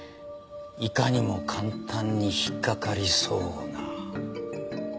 いかにも簡単に引っかかりそうな。